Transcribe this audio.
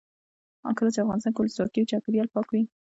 کله چې افغانستان کې ولسواکي وي چاپیریال پاک وي.